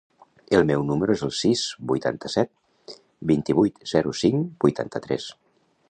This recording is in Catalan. El meu número es el sis, vuitanta-set, vint-i-vuit, zero, cinc, vuitanta-tres.